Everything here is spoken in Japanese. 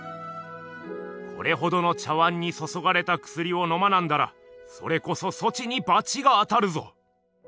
「これほどの茶碗にそそがれたくすりをのまなんだらそれこそそちにばちが当たるぞ」。